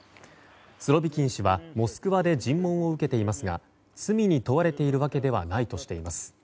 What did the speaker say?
スロビキン氏はモスクワで尋問を受けていますが罪に問われているわけではないとしています。